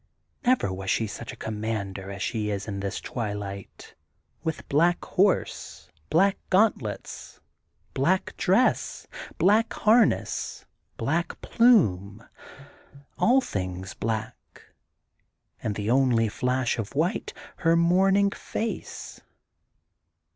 *' Never was she such a commander as she is in this twilight, with black horse, black gauntlets, black dress, black harness, black plume, all things black and the only flash of white, her mourning face.